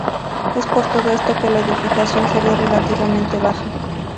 Es por todo esto que la edificación sería relativamente baja.